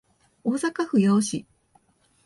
大阪府八尾市